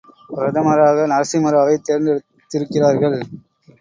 பிரதமராக நரசிம்மராவைத் தேர்ந்தெடுத் திருக்கிறார்கள்.